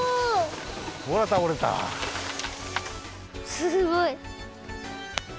すごい。